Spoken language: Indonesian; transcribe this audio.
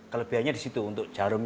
kelebihannya di situ untuk jarum